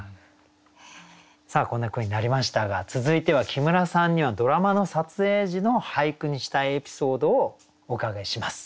さあこんな句になりましたが続いては木村さんにはドラマの撮影時の俳句にしたいエピソードをお伺いします。